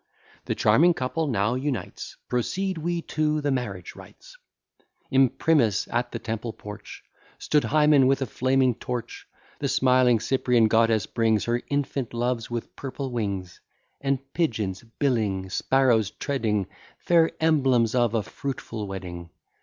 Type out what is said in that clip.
The charming couple now unites: Proceed we to the marriage rites. Imprimis, at the Temple porch Stood Hymen with a flaming torch: The smiling Cyprian Goddess brings Her infant loves with purple wings: And pigeons billing, sparrows treading, Fair emblems of a fruitful wedding.